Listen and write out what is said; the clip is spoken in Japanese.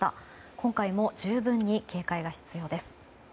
今回も十分に警戒が必要です。